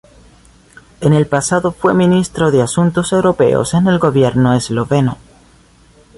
En el pasado fue ministro de Asuntos Europeos en el gobierno esloveno.